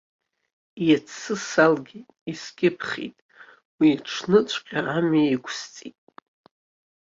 Иацы салгеит, искьыԥхьит, уи аҽныҵәҟьа амҩа иқәысҵеит.